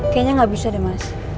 kayaknya nggak bisa deh mas